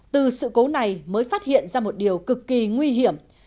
từ sự cố này mới phát hiện ra một điều cực kỳ nguy hiểm